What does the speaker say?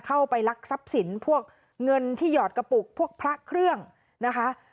ลักทรัพย์สินพวกเงินที่หยอดกระปุกพวกพระเครื่องนะคะ